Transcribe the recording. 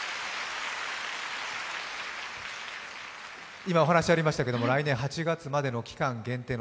今お話しありましたけれども、来年８月までの期間限定の